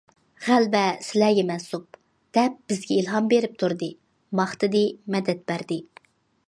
غەلىبە سىلەرگە مەنسۇپ، دەپ بىزگە ئىلھام بېرىپ تۇردى، ماختىدى، مەدەت بەردى.